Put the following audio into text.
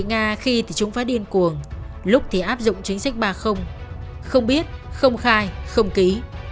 nga khi thì chúng phá điên cuồng lúc thì áp dụng chính sách ba không biết không khai không ký